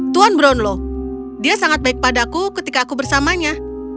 tuan brownlow dia sangat baik padaku ketika aku bersamanya